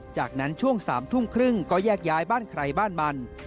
จากนั้นช่วง๓ทุ่มครึ่งก็แยกย้ายบ้านใครบ้านมัน